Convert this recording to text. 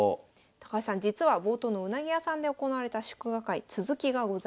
高橋さん実は冒頭のうなぎ屋さんで行われた祝賀会続きがございます。